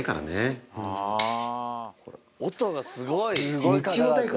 音がすごい。